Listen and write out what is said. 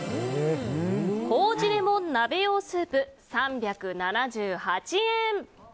糀レモン鍋用スープ、３７８円。